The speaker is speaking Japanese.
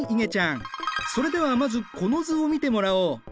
それではまずこの図を見てもらおう。